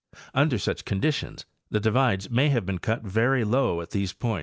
Under such conditions the divides may have been cut very low at these points